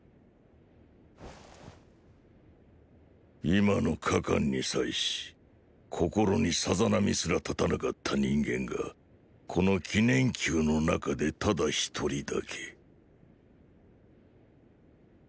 今の加冠に際し心にさざ波すら立たなかった人間がこの年宮の中で唯一人だけーー。